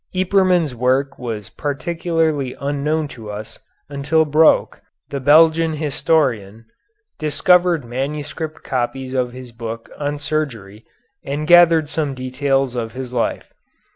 Yperman's work was practically unknown to us until Broeck, the Belgian historian, discovered manuscript copies of his book on surgery and gathered some details of his life.